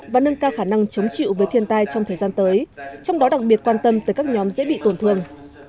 và nâng cao khả năng chống chịu với thiên tai trong thời gian tới trong đó đặc biệt quan tâm tới các nhóm dễ bị tổn thương